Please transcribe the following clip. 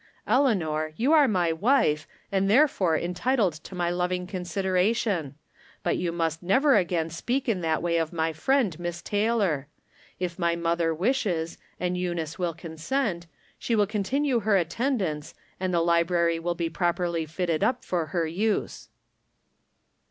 " Eleanor, you are my wife, and therefore en titled to my loving consideration ; but you must never again speak in that way of my friend, Iiliss Taylor ! If my mother wishes, and Eunice will I'rom Different Standpoints. 267 consent, she will continue her attendance, and the library will be properly fitted up for her use."